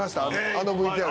あのＶＴＲで。